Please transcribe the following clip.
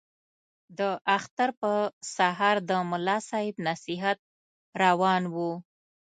د اختر په سهار د ملا صاحب نصیحت روان وو.